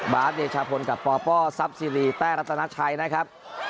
บาร์ทเดชาพลกับปอล์ปอล์ซับซีรีส์แต่รัตนักชัยนะครับ